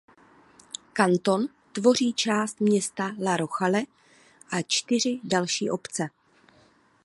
Kanton tvoří část města La Rochelle a čtyři další obce.